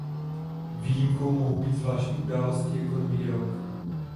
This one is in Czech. Výjimkou mohou být zvláštní události jako Nový rok.